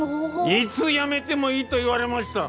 「いつ辞めてもいい」と言われました。